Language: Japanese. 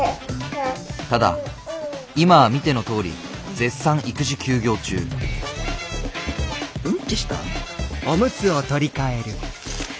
ただ今は見てのとおり絶賛育児休業中うんちした？